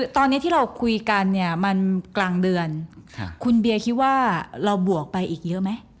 ตอนนี้ที่เราคุยกันเนี่ยมันกลางเดือนคุณเบียคิดว่าเราบวกไปอีกเยอะไหม